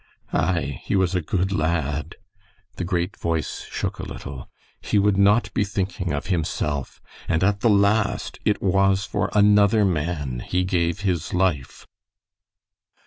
Aye, he was a good lad" the great voice shook a little "he would not be thinking of himself, and at the last, it was for another man he gave his life."